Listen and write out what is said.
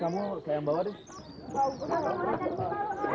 kamu saya bawa deh